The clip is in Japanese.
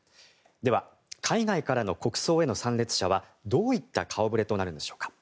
では、海外からの国葬への参列者はどういった顔ぶれとなるのでしょうか。